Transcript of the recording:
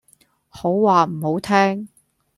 好話唔好聽